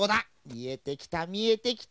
みえてきたみえてきた！